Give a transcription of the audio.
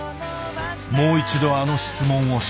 もう一度あの質問をした。